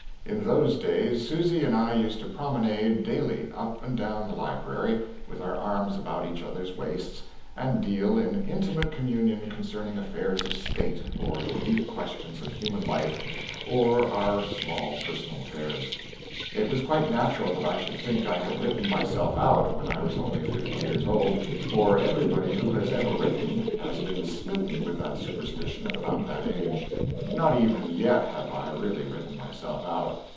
In those days Susy and I used to "promonade" daily up and down the library, with our arms about each other's waists, and deal in intimate communion concerning affairs of State, or the deep questions of human life, or our small personal affairs. It was quite natural that I should think I had written myself out when I was only fifty years old, for everybody who has ever written has been smitten with that superstition at about that age. Not even yet have I really written myself out.